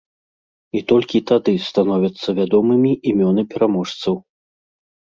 І толькі тады становяцца вядомымі імёны пераможцаў.